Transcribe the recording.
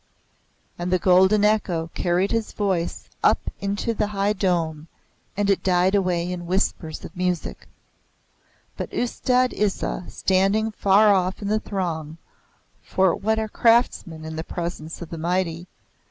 And the golden echo carried his voice up into the high dome, and it died away in whispers of music. But Ustad Isa standing far off in the throng (for what are craftsmen in the presence of the mighty?)